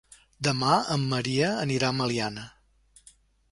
Demà en Maria anirà a Meliana.